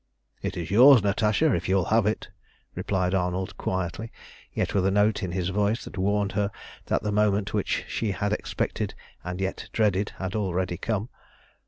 "It is yours, Natasha, if you will have it," replied Arnold quietly, yet with a note in his voice that warned her that the moment which she had expected and yet dreaded, had already come.